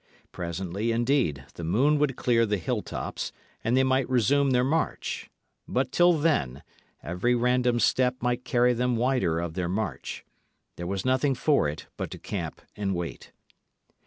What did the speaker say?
Presently, indeed, the moon would clear the hilltops, and they might resume their march. But till then, every random step might carry them wider of their march. There was nothing for it but to camp and wait.